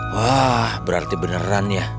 wah berarti beneran ya